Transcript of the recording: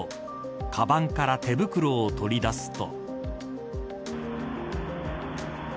かばんから手袋を取り出すと。